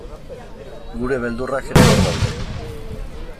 Gure beldurrak ere hor daude.